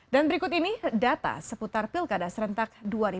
dan berikut ini data seputar pilkada serentak dua ribu tujuh belas